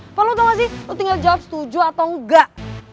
apa lo tau gak sih lo tinggal jawab setuju atau enggak